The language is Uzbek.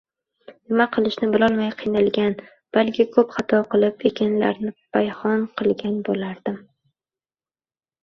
nima qilishni bilolmay qiynalgan, balki ko‘p xato qilib, ekinlarni payhon qilgan bo‘lardim.